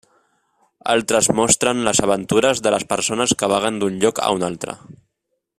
Altres mostren les aventures de les persones que vaguen d'un lloc a un altre.